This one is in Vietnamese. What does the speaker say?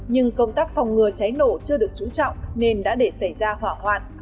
nhưng công tác phòng ngừa cháy nổ chưa được trú trọng nên đã để xảy ra hỏa hoạn